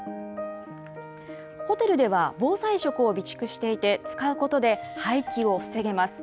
ホテルでは、防災食を備蓄していて、使うことで廃棄を防げます。